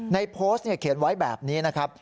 ในโพสต์เขียนไว้แบบนี้นะครับ